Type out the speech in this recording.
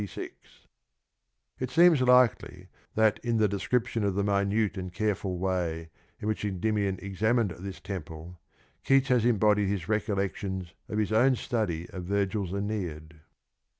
266) It seems likely that in the description of the minute and careful way in which Endymion examined this temple^ Keats has embodied his recollections of his own study of Virgil's Aeneid.